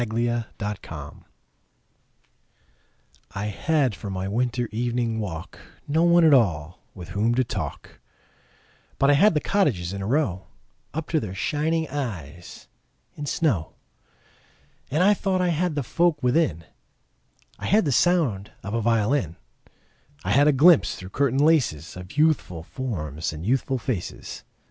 Good Hours I HAD for my winter evening walk No one at all with whom to talk, But I had the cottages in a row Up to their shining eyes in snow. And I thought I had the folk within: I had the sound of a violin; I had a glimpse through curtain laces Of youthful forms and youthful faces.